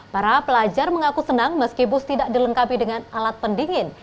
para pelaku mengaku senang meski bus tidak dilengkapi dengan alat pendingin